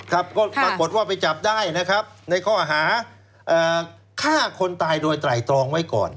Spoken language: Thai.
ครับก็ปรากฏว่าไปจับได้นะครับในข้อหาฆ่าคนตายโดยไตรตรองไว้ก่อน